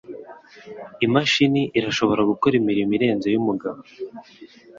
Imashini irashobora gukora imirimo irenze iy'umugabo.